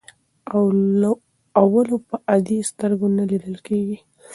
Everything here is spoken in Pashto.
اولو په عادي سترګو نه لیدل کېږي.